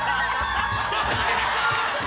パスタが出てきた！